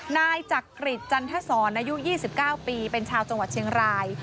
นายจักริจจันทศรอายุ๒๙ปีเป็นชาวจังหวัดเชียงราย